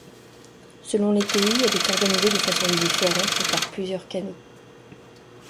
Selon les pays, elle est organisée de façon différente et par plusieurs canaux.